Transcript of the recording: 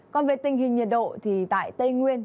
còn về tình hình nhiệt độ thì tại tây nguyên